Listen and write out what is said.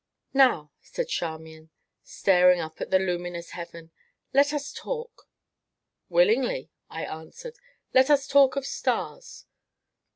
"Now," said Charmian, staring up at the luminous heaven, "let us talk." "Willingly," I answered; "let us talk of stars."